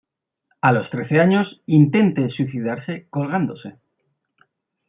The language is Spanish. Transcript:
A los trece años intente suicidarse colgándose.